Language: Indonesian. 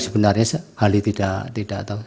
sebenarnya hali tidak tahu